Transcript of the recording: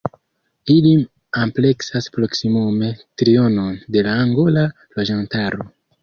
Ili ampleksas proksimume trionon de la angola loĝantaro.